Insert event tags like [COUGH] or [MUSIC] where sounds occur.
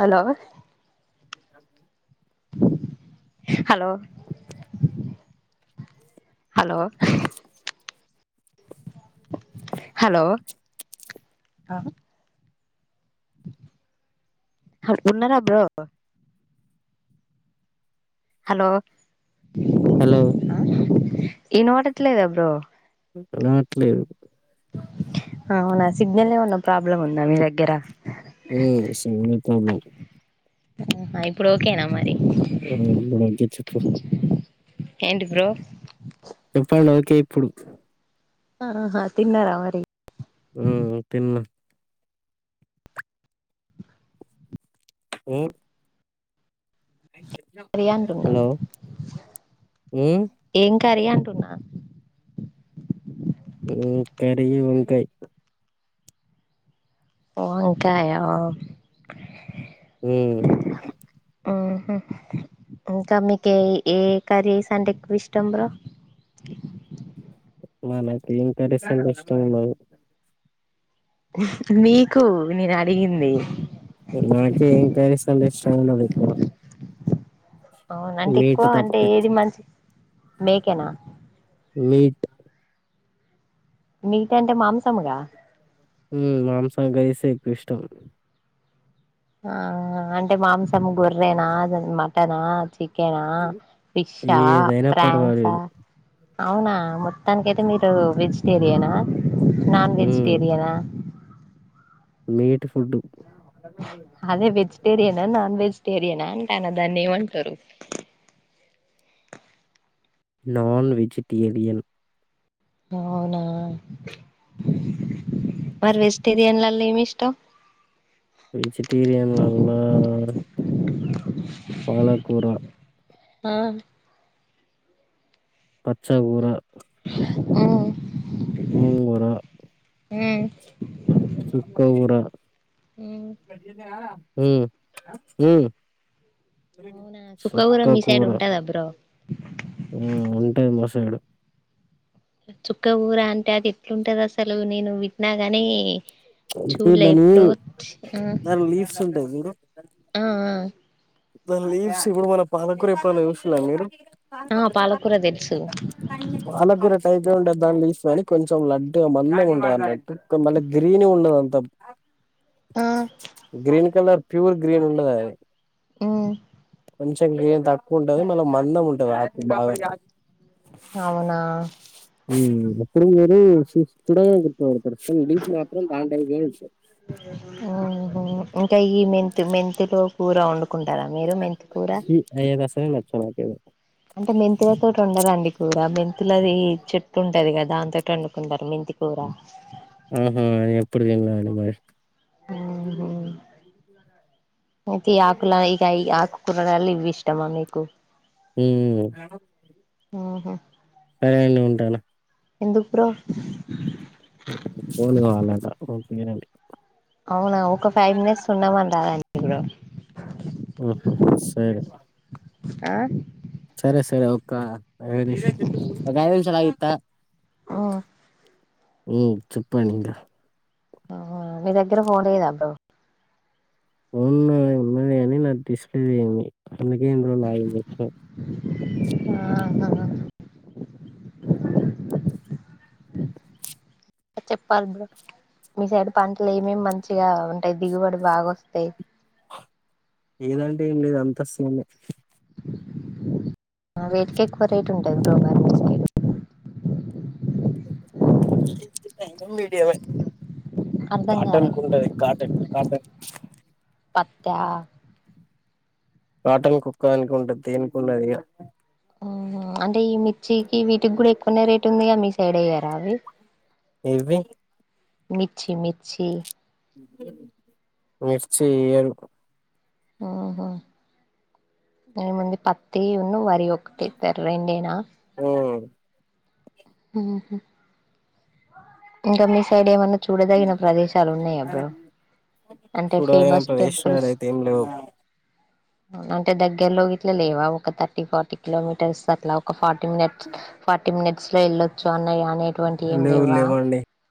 Hello [INAUDIBLE] hello hello hello ఆ ఉన్నారా bro hello hello ఇనబడట్లేదా బ్రో రావట్లేదు అవునా సిగ్నల్ ఏమన్నా ప్రాబ్లమ్ ఉందా మీ దగ్గర మ్ సిగ్నల్ ప్రాబ్లెమ్ అహ ఇప్పుడు ఓకేనా మరి అ [UNINTELLIGIBLE] ఏంటి బ్రో చెప్పండి ఓకే ఇప్పుడు ఆహా తిన్నరాా మరి మ్ తిన్న్నా మ్ కర్రీ అంటున్నా హలో మ్ ఏం కర్రీ అంటున్నా కరి వంకయ్ వంకాయ మ్ మ్ హు కామ్ మీకి ఏ కరీ సంటే ఎక్కువ ఇష్టం బ్రో మనకి ఏ కర్రీస్ అంటే ఇష్టం ఉండదు మీీకు నేను అడిగింది నాకే ఏం కర్రీ స్ అంటే ఇష్టం ఉండదు ఎక్కువ అవున అంటే ఎక్కువ మీట్ అంటే తప్పితే ఏది మంచ్ మేకేనా మీట్ మిట్ అంటే మాంసముగా మ్ మాంసాం కారిసే ఎక్కువ ఇష్టం ఆ అంటే మాంసం గొర్రెనా మటనా చికె నా ఫిష్ ఆ ఏదైనా ఫ్రాన్స్ ఆ పర్వాలేదు అవునా మొత్తానికయితే మీరు వెజిటేరియనా నాన్ ఉమ్ వెజిటేరియనా మీేట్ ఫుడ్ అదే వెజిటేరియనా నాన్ వెజిటేరియనా అంటన్న దాన్ని ఏమంటారు నాన్ వెజిటేరియన్ అవునా మరి వెజిటేరియన్లళ్ళ ఏమి ఇష్టం వెజిటేరియన్లళ్ళ పాలకూరా ఆ పచ్చాకుర మ్ గోంగూర మ్ సుక్కకుర ఉమ్ [INAUDIBLE] అవునా చుక్క సుక్కా మీ సైడ్ కూర ఉంటదా బ్రో మ్ ఉంటది మా సైడు చుక్కకుర అంటే అది ఎట్లుంటది అసలు నేను విన్నా గాని అంటే చూళ్ళే దాని ఎప్పుడో చ్ దాని లీవ్స్ ఉంటాయి దన్లేవ్ స్ ఇప్పుడు మన పాలకూర ఎప్పుడైనా చుసిళ్ళ మీరు ఆ పాలకూర తెలుసు వాళ్ళకు కూడ టైట్గా ఉండేదాన్ని తీసుకొని కొంచెం లడ్డుగా మందంగా ఉంటదన్నట్టు కనీ మళ్ళా గ్రీన్గా ఉండదంతా. [INAUDIBLE] గ్రీన్ కలర్ ప్యూర్ గ్రీన్ ఉండదు అది. హ్ కొంచెం గ్రీన్ తక్కువ ఉంటది మళ్ళ మందం ఉంటది ఆది బాగా. అవునా అప్పుడు మీరు చూస్తూనే గుర్తుపడతరు, డిపి మాత్రం దాని టైప్లనే ఉంటది. ఆహా ఇంకా ఈ మెంతు మెంతులు కూర వండు కుంటరా మీరు మెంతి కూర. అయ్యయితే అస్సలే నచ్చవు నాకేందుకో. అంటే మెంతుల తోటి వండరండి కూర. మెంతులది చెట్టు ఉంటది కదా దానితోటి వండుకుంటరు మెంతి కూర. ఆహా ఎప్పుడు తిన్లేదండి మరి. ఆహా [INAUDIBLE] ఒకే ఈ ఆకుల ఇగ ఈ ఆకు కూరలల్ల ఇవి ఇష్టమా మీకు. హ్ ఆహా సరే అండి ఉంటన్నా. ఎందుకు బ్రో? ఫోన్ కావాలంటా ఓకేనండి. అవునా ఒక ఫైవ్ మినిట్స్ ఉండమన రాదండి ఇప్పుడు. ఆహా సరే ఆ సరే సరే ఒక ఆ ఒక ఐదు నిమిషాలు ఆగు ఇత్తా. ఆ చెప్పండి ఇంకా. ఆ మీ దగ్గర ఫోన్ లేదా బ్రో? ఫోన్ నాది ఉన్నది కాని నాది డిస్ప్లే పోయింది అందుకే ఇన్ని రోజులు ఆగింది. వ ఆహా అ చెప్పాలి బ్రో. మీ సైడ్ పంటలు ఏమేమి మంచిగా ఉంటయి, దిగుబడి బాగా వస్తయి. ఏదంటే ఏం లేదు అంత సేమే. అవిటికే ఎక్కువ రేట్ ఉంటది బ్రో మరి మీరు. [INAUDIBLE] అర్ధం కాలే కాటన్కుంటది. కాటన్ కాటన్ పత్తా కాటన్కు ఒక్కదానికే ఉంటది దేనికి ఉండదు ఇగా. ఆహా అంటే ఈ మిర్చికి వీటికి కూడా ఎక్కువనే రేట్ ఉందిగా మీ సైడ్ ఎయ్యరా అవి. ఏవి? మిర్ఛి మిర్చి మిర్చి ఎయ్యరు. ఆహా ఏంముంది పత్తి ఉన్ను వరి ఒకటి తెర్రెండేనా. హ్ ఇంక మీ సైడ్ ఏమన్నా చూడదగిన ప్రదేశాలు ఉన్నయా బ్రో అంటే చూడదగిన ఫేమస్ ప్రదేశాలు టెంపుల్స్ అయితే ఏం లేవు అంటే దగ్గరలో గిట్లా లేవా ఒక థర్టీ ఫార్టీ కిలోమీటర్స్ అట్లా ఒక forty Tim nets forty minutes forty minutes లో వెళ్ళొచ్చు అన్నా అని ఎటువంటి ఏం లేవు లేవా. లేవండి